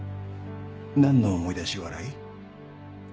何の思い出し笑い？